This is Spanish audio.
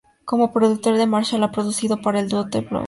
Como productor, Marshal ha producido para el dúo The Blue Diamonds.